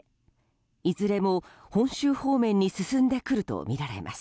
いずれも本州方面に進んでくるとみられます。